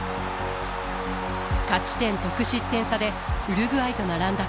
勝点・得失点差でウルグアイと並んだ韓国。